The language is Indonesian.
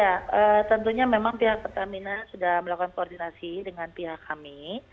ya tentunya memang pihak pertamina sudah melakukan koordinasi dengan pihak kami